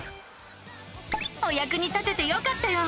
おやくに立ててよかったよ！